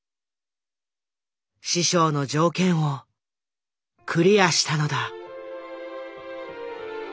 師匠の条件をクリアしたのだ。